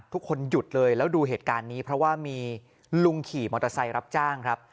ทุกคนหยุดเลยแล้วดูเหตุการณ์นี้เพราะว่ามีลุงขี่มอเตอร์ไซค์รับจ้างครับ